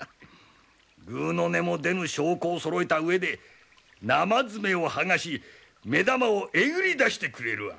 ぐうの音も出ぬ証拠をそろえた上で生爪を剥がし目玉をえぐり出してくれるわ！